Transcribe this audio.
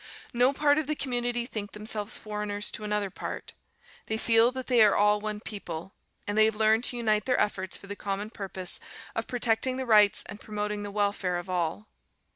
No part of the community think themselves foreigners to another part. They feel that they are all one people, and they have learned to unite their efforts for the common purpose of protecting the rights and promoting the welfare of all.